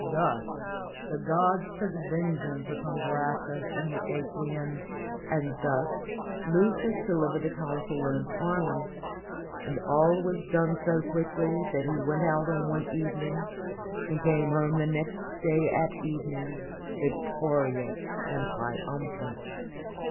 Thus the gods took vengeance 311 ROME upon Gracchus and the ^Equians; and thus Lucius de livered the consul and his army; and all was done so quickly that he went out on one evening, and came home the next day at evening victorious and triumphant.